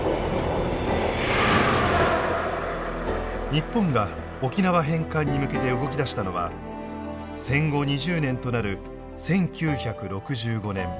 日本が沖縄返還に向けて動き出したのは戦後２０年となる１９６５年。